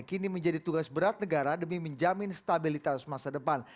kini menjadi tugas berat negara demi menjamin stabilitas masa depan